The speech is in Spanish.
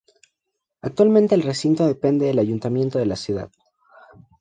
Actualmente el recinto depende del ayuntamiento de la ciudad.